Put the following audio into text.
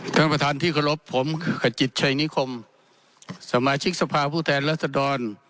ท่านประธานที่เคารพผมขจิตชัยนิคมสมาชิกสภาพผู้แทนรัศดร